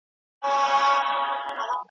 شا او مخي ته یې ووهل زورونه.